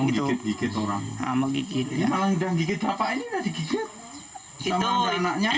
dia malah udah digigit